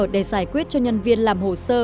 để giải quyết cho nhân viên làm hồ sơ